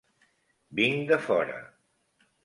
Vinc de fora.